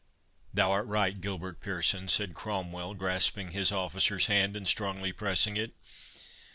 "Thou art right, Gilbert Pearson," said Cromwell, grasping his officer's hand, and strongly pressing it.